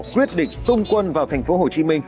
quyết định tung quân vào thành phố hồ chí minh